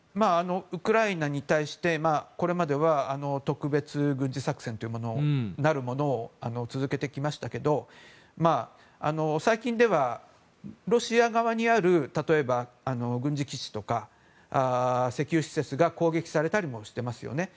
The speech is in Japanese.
ウクライナに対してこれまでは特別軍事作戦を続けてきましたけれども最近ではロシア側にある例えば、軍事基地とか石油施設が攻撃されたりもしていますよね。